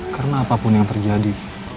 karena apapun yang terjadi